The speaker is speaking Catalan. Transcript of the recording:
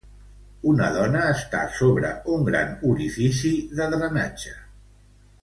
Una dona està sobre una gran orifici de drenatge.